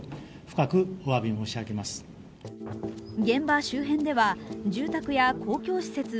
現場周辺では住宅や公共施設